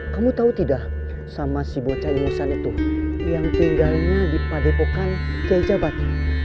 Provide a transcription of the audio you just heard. kamu tahu tidak sama si bocai musan itu yang tinggalnya di padepokan kejabat